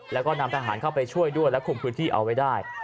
แล้วก็นำทหารเข้าไปช่วยด้วยและคุมพื้นที่เอาไว้ได้